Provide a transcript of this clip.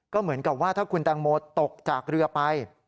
ก็เหมือนกับว่าถ้าคุณแตงโมตกจากเรือไป